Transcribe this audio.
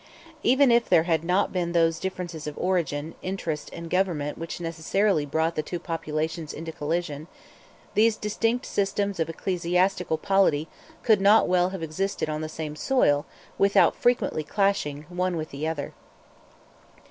Even if there had not been those differences of origin, interest, and government which necessarily brought the two populations into collision, these distinct systems of ecclesiastical polity could not well have existed on the same soil without frequently clashing, one with the other.